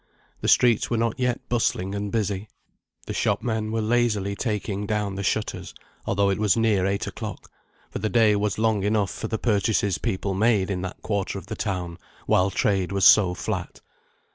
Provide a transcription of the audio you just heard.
The streets were not yet bustling and busy. The shopmen were lazily taking down the shutters, although it was near eight o'clock; for the day was long enough for the purchases people made in that quarter of the town, while trade was so flat.